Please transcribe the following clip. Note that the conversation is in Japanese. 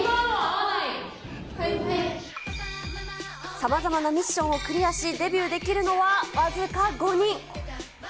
さまざまなミッションをクリアし、デビューできるのは僅か５人。